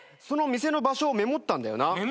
その店の場所をメモったんだよな。